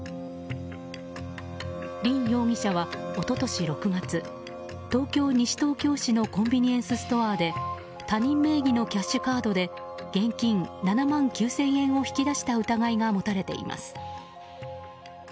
リン容疑者は一昨年６月東京・西東京市のコンビニエンスストアで他人名義のキャッシュカードで現金７万９０００円を引き出した疑いが持たれています。